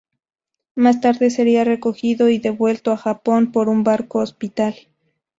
Más tarde sería recogido y devuelto a Japón por un barco hospital.